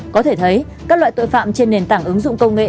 có thể thấy các loại tội phạm trên nền tảng ứng dụng công nghệ